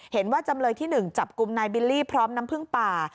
เห็นว่าจำเลยที่๑จับกลุ่มนายบิลลี่พร้อมน้ำผึ้งป่า